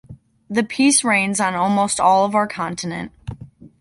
The piece reigns on almost all of our continent.